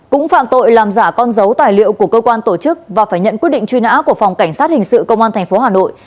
cũng phạm tội làm giả con dấu tài liệu của cơ quan tổ chức và phải nhận quyết định truy nã của phòng cảnh sát hình sự công an tp hà nội